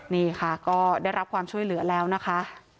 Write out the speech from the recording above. นี่ค่ะก็ได้รับความช่วยเหลือแล้วนะคะ